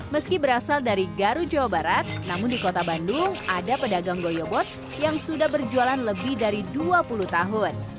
meski berasal dari garut jawa barat namun di kota bandung ada pedagang goyobot yang sudah berjualan lebih dari dua puluh tahun